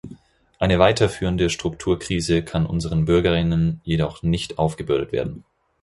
Eine weiterführende Strukturkrise kann unseren BürgerInnen jedoch nicht aufgebürdet werden.